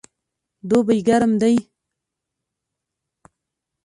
دوبی ګرم دی